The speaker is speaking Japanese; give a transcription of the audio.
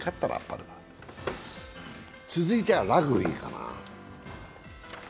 続いてはラグビーかな。